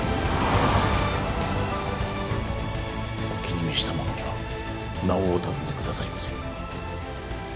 お気に召した者には名をお尋ね下さいませ。